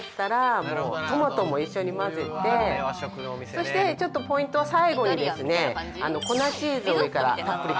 そしてちょっとポイントは最後にですね